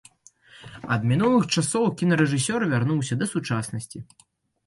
Ад мінулых часоў кінарэжысёр вярнуўся да сучаснасці.